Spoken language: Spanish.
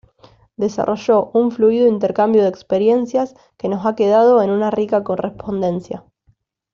Desarrolló un fluido intercambio de experiencias que nos ha quedado en una rica correspondencia.